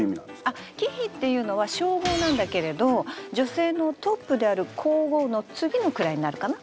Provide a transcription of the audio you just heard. あっ貴妃っていうのは称号なんだけれど女性のトップである皇后の次の位になるかな。